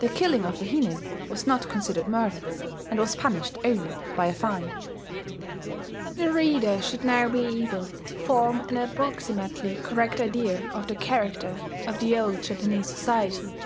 The killing of a hinin was not considered murder, and was punished only by a fine. The reader should now be able to form an approximately correct idea of the character of the old Japanese society.